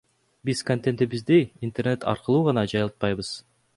Биз контентибизди интернет аркылуу гана жайылтпайбыз.